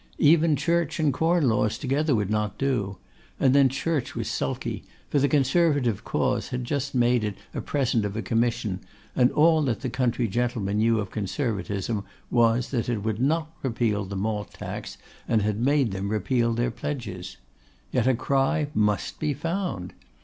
Even Church and Corn laws together would not do; and then Church was sulky, for the Conservative Cause had just made it a present of a commission, and all that the country gentlemen knew of Conservatism was, that it would not repeal the Malt Tax, and had made them repeal their pledges. Yet a cry must be found.